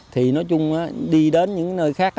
thì nói chung đi đến những nơi khác